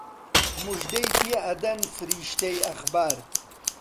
موژدەی پێ ئەدەن فریشتەی ئەخبار